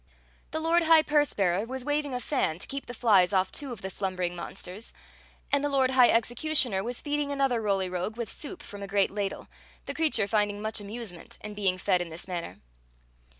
The lord high purse bearer was waving a fan to keep the flies off two of the slumbering monsters ; and the lord high executioner was feeding another Roly Rogue with soup from a great ladle, the crea ture finding much amiuen^t an being fed in this manner.